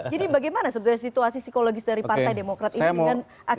jadi bagaimana sebenarnya situasi psikologis dari partai demokrat ini dengan akhirnya memutuskan